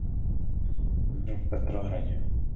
Zemřel v Petrohradě.